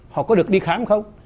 họ có được đi khám không